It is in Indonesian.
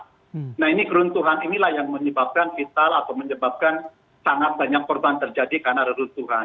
jadi keruntuhan inilah yang menyebabkan kital atau menyebabkan sangat banyak korban terjadi karena keruntuhan